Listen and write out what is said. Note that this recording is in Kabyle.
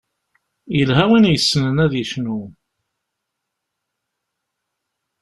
Yelha win yessnen ad yecnu.